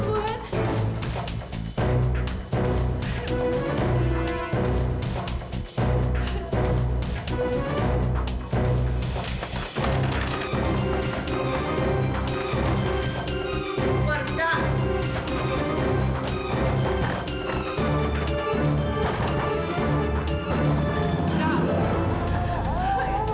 suara bang got